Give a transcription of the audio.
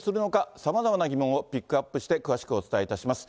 さまざまな疑問をピックアップして詳しくお伝えします。